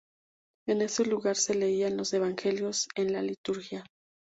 En ese lugar se leían los evangelios en la liturgia.